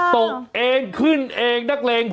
ตกเองขึ้นเองนักเลงพอ